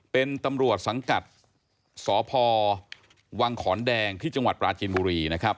เป็นตำรวจสังกัดสพวังขอนแดงที่จังหวัดปราจินบุรีนะครับ